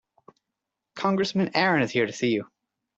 Congressman Aaron is here to see you.